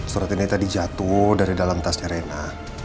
surat ini tadi jatuh dari dalam tasnya rena